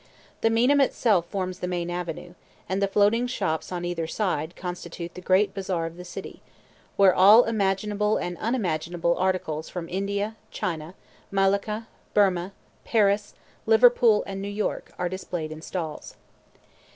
The Meinam itself forms the main avenue, and the floating shops on either side constitute the great bazaar of the city, where all imaginable and unimaginable articles from India, China, Malacca, Birmah, Paris, Liverpool, and New York are displayed in stalls.